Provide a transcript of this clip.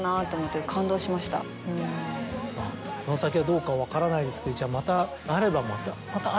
この先はどうか分からないですけどじゃあまた。